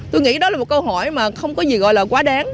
tôi nghĩ đó là một câu hỏi mà không có gì gọi là quá đáng